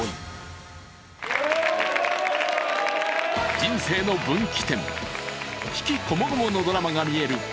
人生の分岐点、悲喜こもごものドラマが見える